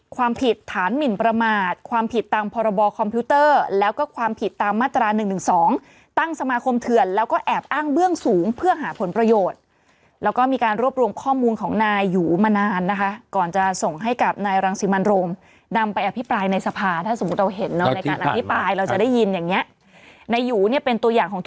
ความผิดฐานหมินประมาทความผิดตามพรบคอมพิวเตอร์แล้วก็ความผิดตามมาตรา๑๑๒ตั้งสมาคมเถื่อนแล้วก็แอบอ้างเบื้องสูงเพื่อหาผลประโยชน์แล้วก็มีการรวบรวมข้อมูลของนายหยูมานานนะคะก่อนจะส่งให้กับนายรังสิมันโรมนำไปอภิปรายในสภาถ้าสมมุติเราเห็นเนาะในการอภิปรายเราจะได้ยินอย่างเงี้ยนาย